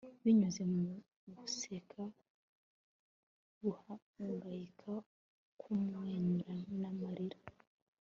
binyuze mu guseka, guhangayika, kumwenyura n'amarira